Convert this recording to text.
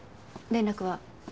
連絡は？